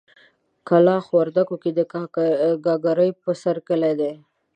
کلاخ وردګو کې د ګاګرې په سر کلی دی.